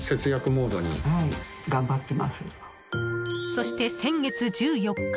そして先月１４日。